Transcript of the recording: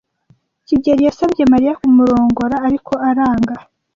kigeli yasabye Mariya kumurongora, ariko aranga.